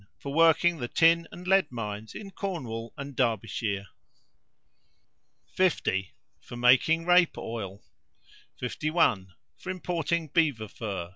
For working the tin and lead mines in Cornwall and Derbyshire. 50. For making rape oil. 51. For importing beaver fur.